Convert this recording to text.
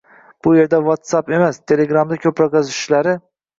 bu yerda WhatsAp emas, Telegram'da ko‘proq yozishishlari